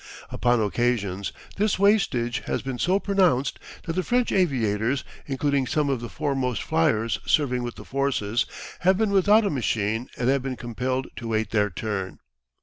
Upon occasions this wastage has been so pronounced that the French aviators, including some of the foremost fliers serving with the forces, have been without a machine and have been compelled to wait their turn.